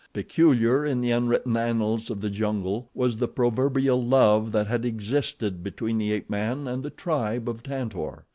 Peculiar in the unwritten annals of the jungle was the proverbial love that had existed between the ape man and the tribe of Tantor.